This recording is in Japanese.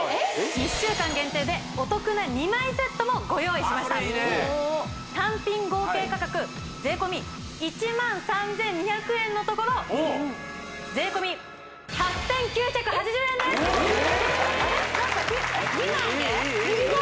１週間限定でお得な２枚セットもご用意しました単品合計価格税込１万３２００円のところ税込８９８０円ですえっなんかえっえっえっえっ２枚で？